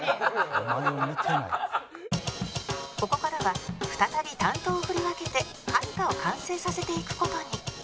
ここからは再び担当を振り分けてかるたを完成させていく事に